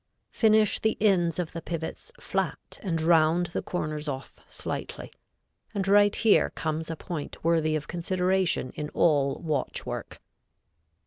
Finish the ends of the pivots flat and round the corners off slightly; and right here comes a point worthy of consideration in all watch work.